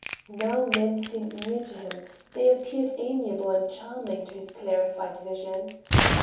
Now men seemed new to him,—they appeared amiable and charming to his clarified vision.